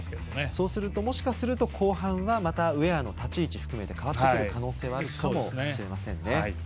そうするともしかすると後半はまたウェアの立ち位置含めて変わってくる可能性はあるかもしれませんね。